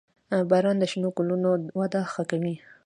• باران د شنو ګلونو وده ښه کوي.